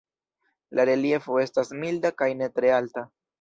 La reliefo estas milda kaj ne tre alta.